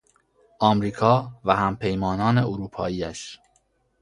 امریکا و همپیمانان اروپاییاش